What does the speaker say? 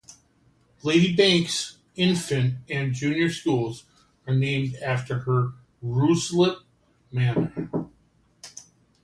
Lady Bankes Infant and Junior Schools are named after her in Ruislip Manor.